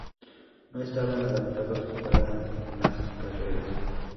No estaban adaptados para la carrera.